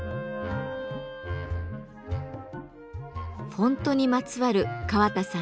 フォントにまつわる川田さん